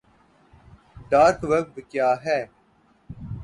dark web کیا ہے